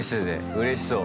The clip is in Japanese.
うれしそう。